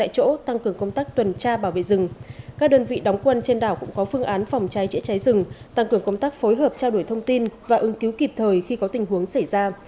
các đơn vị đóng quân trên đảo cũng có phương án phòng cháy chữa cháy rừng tăng cường công tác phối hợp trao đổi thông tin và ứng cứu kịp thời khi có tình huống xảy ra